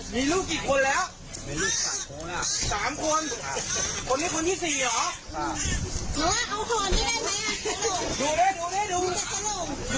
มีลูกกี่คนแล้วมีลูกสามคนอ่ะสามคนคนนี้คนที่สี่หรออ่า